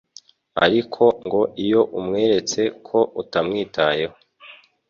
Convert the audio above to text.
Ariko ngo iyo umweretse ko utamwitayeho